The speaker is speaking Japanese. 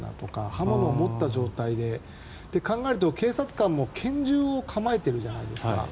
刃物を持った状態でって考えると警察官も拳銃を構えてるじゃないですか。